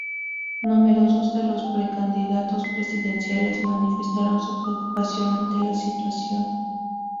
Numerosos de los precandidatos presidenciales manifestaron su preocupación ante la situación.